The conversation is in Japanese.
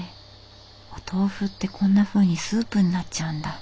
お豆腐ってこんなふうにスープになっちゃうんだ。